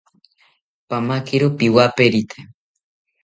Pamakiro piwaperite